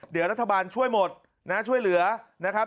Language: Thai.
เดี๋ยวรัฐบาลช่วยหมดนะช่วยเหลือนะครับ